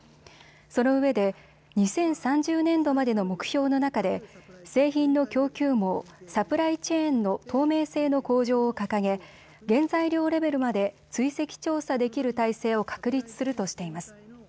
そのうえで２０３０年度までの目標の中で製品の供給網・サプライチェーンの透明性の向上を掲げ原材料レベルまで追跡調査できる体制を確立するとしています。